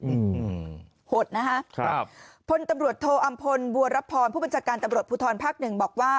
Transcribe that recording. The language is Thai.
อืมหดนะฮะครับพลตำรวจโทอำพลบัวรับพรผู้บัญชาการตำรวจภูทรภาคหนึ่งบอกว่า